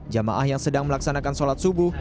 jamaah yang sedang melaksanakan sholat subuh